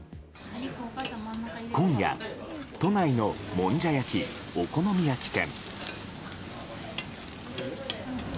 今夜、都内のもんじゃ焼き・お好み焼き店。